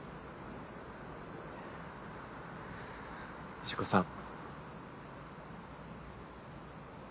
藤子さん。